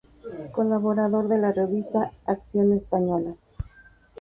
Colaborador de la revista "Acción Española".